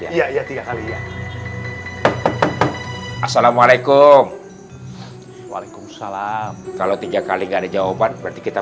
iya iya tiga kali ya assalamualaikum waalaikumsalam kalau tiga kali gak ada jawaban berarti kita